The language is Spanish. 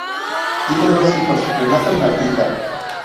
Tienen dos hijos Renato y Matilda.